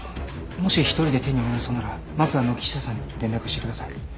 もし一人で手に負えなそうならまずは軒下さんに連絡してください。